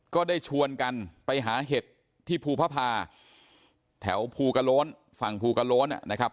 ก็ได้ชวนกันไปหาเห็ดที่ภูพภาแถวภูกระโล้นฝั่งภูกระโล้นนะครับ